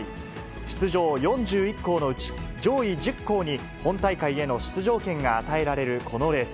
出場４１校のうち、上位１０校に本大会への出場権が与えられるこのレース。